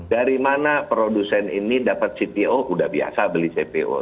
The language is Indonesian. dari mana produsen ini dapat cpo sudah biasa beli cpo